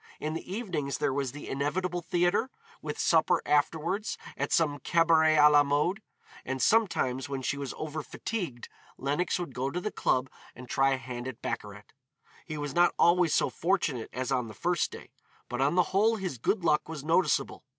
In the evenings there was the inevitable theatre, with supper afterwards at some cabaret à la mode. And sometimes when she was over fatigued, Lenox would go to the club and try a hand at baccarat. He was not always so fortunate as on the first day, but on the whole his good luck was noticeable.